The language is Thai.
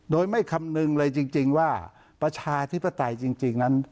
โดยไม่คำนึงเลยจริงว่าประชาธิปไตยจริงนั้น